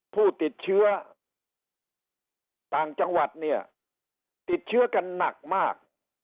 ผู้ติดเชื้อต่างจังหวัดเนี่ยติดเชื้อกันหนักมาก